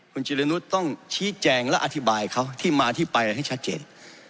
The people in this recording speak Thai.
คุณจิรนุษย์ต้องชี้แจงและอธิบายเขาที่มาที่ไปให้ชัดเจน